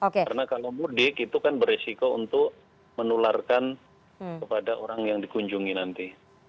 karena kalau mudik itu kan beresiko untuk menularkan kepada orang yang dikunjungi nanti